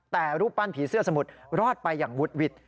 แต่รูปปั้นผีเสื้อสมุทรรอดไปอย่างวุดหวิด